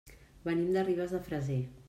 Venim de Ribes de Freser.